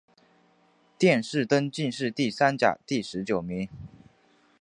殿试登进士第三甲第十九名。